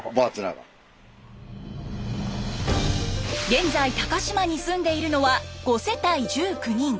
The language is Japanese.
現在高島に住んでいるのは５世帯１９人。